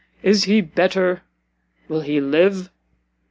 Is he better? will he live?"